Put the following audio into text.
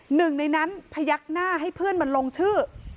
หนึ่งในนั้นพยักหน้าให้เพื่อนมาลงชื่อ